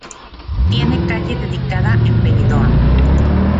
Tiene calle dedicada en Benidorm.